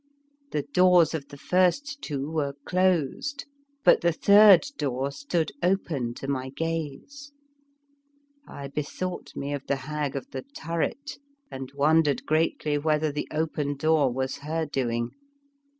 The doors of the first two were closed, but the third door stood open to my gaze. I bethought me of the Hag of the Tur ret, and wondered greatly whether the open door was her doing.